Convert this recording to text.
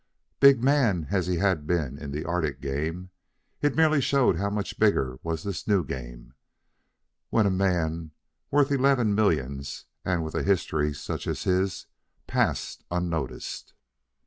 Big man as he had been in the Arctic game, it merely showed how much bigger was this new game, when a man worth eleven millions, and with a history such as his, passed unnoticed.